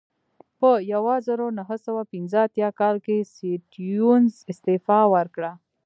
په یوه زرو نهه سوه پنځه اتیا کال کې سټیونز استعفا ورکړه.